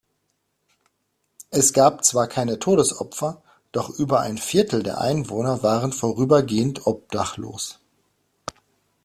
Es gab zwar keine Todesopfer, doch über ein Viertel der Einwohner waren vorübergehend obdachlos.